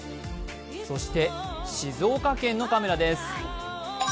そして静岡県のカメラです。